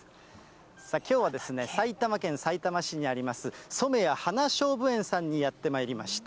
きょうは埼玉県さいたま市にあります染谷花しょうぶ園さんにやってまいりました。